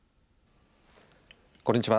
こんにちは。